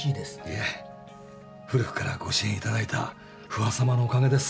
いえ古くからご支援いただいた不破さまのおかげです。